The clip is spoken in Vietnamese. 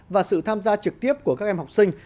và sự tham gia trực tiếp của các em học sinh